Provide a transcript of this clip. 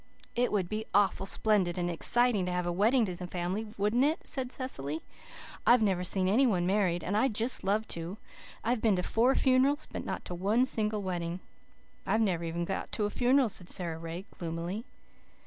"It would be awful splendid and exciting to have a wedding in the family, wouldn't it?" said Cecily. "I've never seen any one married, and I'd just love to. I've been to four funerals, but not to one single wedding." "I've never even got to a funeral," said Sara Ray gloomily.